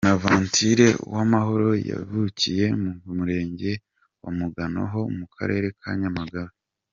Bonaventure Uwamahoro yavukiye mu Murenge wa Mugano ho mu Karere ka Nyamagabe.